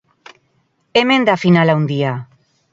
Hemen da final handia.